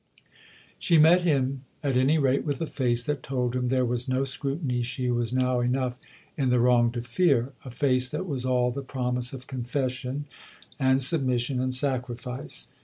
She met him at any rate with a face that told him there was no scrutiny she was now enough in the wrong to fear, a face that was all the promise of confession and submission and sacrifice.